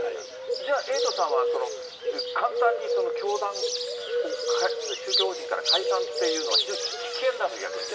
じゃあエイトさんは、その簡単に教団を、宗教法人から解散っていうのは危険だと、逆に。